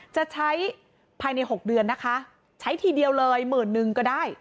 จะใช้ภายใน๖เดือนนะคะใช้ทีเดียวเลยหมื่นนึงก็ได้